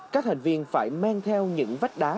các thành viên phải mang theo những vách đá